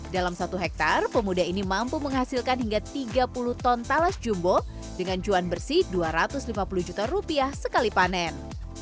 dalam satu hektare pemuda ini mampu menghasilkan hingga tiga puluh ton talas jumbo dengan cuan bersih dua ratus lima puluh juta rupiah sekali panen